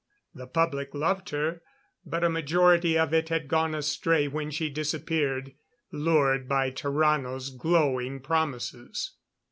The public loved her but a majority of it had gone astray when she disappeared lured by Tarrano's glowing promises.